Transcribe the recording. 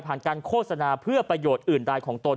การโฆษณาเพื่อประโยชน์อื่นใดของตน